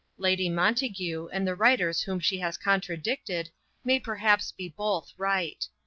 Lady Montague, and the writers whom she has contradicted, may perhaps be both right.